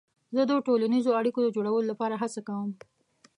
زه د ټولنیزو اړیکو د جوړولو لپاره هڅه کوم.